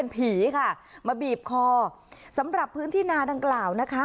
ผีค่ะมาบีบคอสำหรับพื้นที่นาดังกล่าวนะคะ